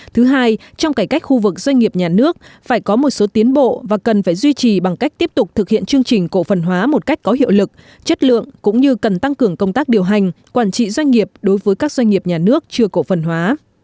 thứ hai trong cải cách khu vực doanh nghiệp nhà nước phải có một số tiến bộ và cần phải duy trì bằng cách tiếp tục thực hiện chương trình cổ phần hóa một cách có hiệu lực chất lượng cũng như cần tăng cường công tác điều hành quản trị doanh nghiệp đối với các doanh nghiệp nhà nước chưa cổ phần hóa